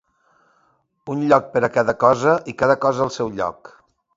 Un lloc per cada cosa i cada cosa al seu lloc.